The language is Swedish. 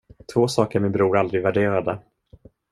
Två saker min bror aldrig värderade.